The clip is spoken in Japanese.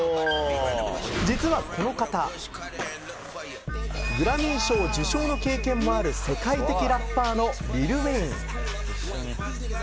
実は、この方グラミー賞受賞の経験もある世界的ラッパーのリル・ウェイン。